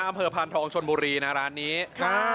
อำเภอพานทองชนบุรีนะร้านนี้ครับ